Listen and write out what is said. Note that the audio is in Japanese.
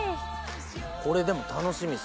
これでも楽しみ！